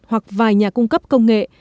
hoặc vài nhà cung cấp công nghệ